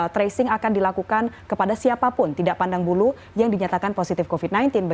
tracing akan dilakukan kepada siapapun tidak pandang bulu yang dinyatakan positif covid sembilan belas